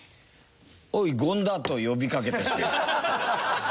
「おい権田」と呼びかけてしまう。